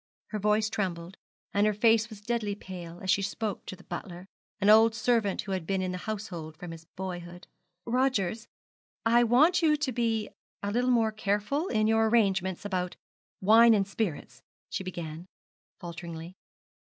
Her voice trembled, and her face was deadly pale as she spoke to the butler, an old servant who had been in the household from his boyhood. 'Rogers, I want you to be a little more careful in your arrangements about wine and spirits,' she began, falteringly.